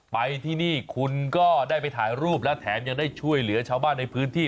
ไปที่นี่คุณก็ได้ไปถ่ายรูปและแถมยังได้ช่วยเหลือชาวบ้านในพื้นที่